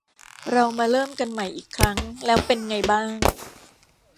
เรามาเริ่มกันใหม่อีกครั้งแล้วเป็นไงบ้าง ?